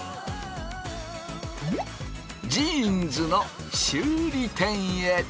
ジーンズの修理店へ！